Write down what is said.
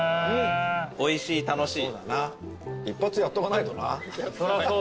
おいしい楽しい。